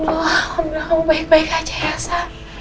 alhamdulillah kamu baik baik aja ya elsa